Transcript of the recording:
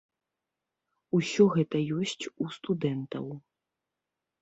Усё гэта ёсць у студэнтаў.